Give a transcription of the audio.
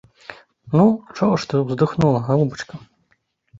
Ну, чаго ж ты ўздыхнула, галубачка?